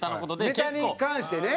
ネタに関してね。